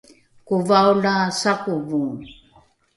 kovao la sakovo